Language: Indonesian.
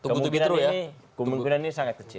kemungkinan ini sangat kecil